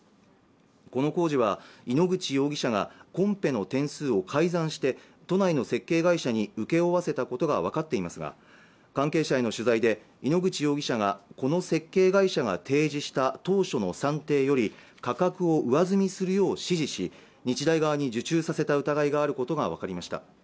この工事は井ノ口容疑者がコンペの点数を改ざんして都内の設計会社に請け負わせたことがわかっていますが関係者への取材で井ノ口容疑者がこの設計会社が提示した当初の算定より価格を上積みするよう指示し日大側に受注させた疑いがあることが分かりました